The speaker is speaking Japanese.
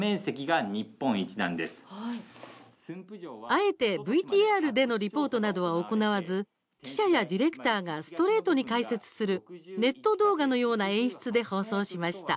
あえてＶＴＲでのリポートなどは行わず記者やディレクターがストレートに解説するネット動画のような演出で放送しました。